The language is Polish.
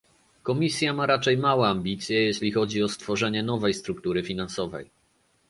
Komisja ma raczej małe ambicje, jeśli chodzi o stworzenie nowej struktury finansowej